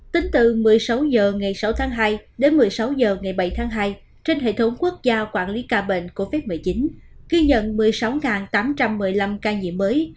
tính từ một mươi sáu h ngày sáu tháng hai đến một mươi sáu h ngày bảy tháng hai trên hệ thống quốc gia quản lý ca bệnh covid một mươi chín ghi nhận một mươi sáu tám trăm một mươi năm ca nhiễm mới